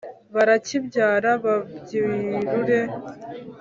barakibyara babyirure.